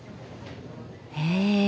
へえ！